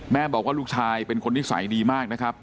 แม่บอกว่าลูกชายเป็นคนนิสัยดีมากนะครับ